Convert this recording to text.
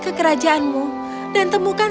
ke kerajaanmu dan temukan